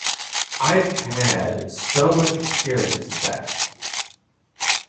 I’ve had so much experience at that.